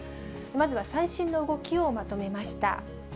まずは最新の動きをまとめました。